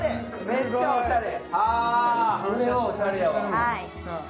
めっちゃおしゃれ。